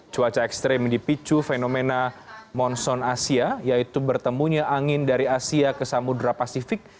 cuaca ekstrim dipicu fenomena monsoon asia yaitu bertemunya angin dari asia ke samudera pasifik